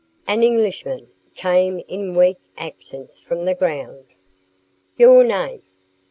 "An Englishman," came in weak accents from the ground. "Your name?"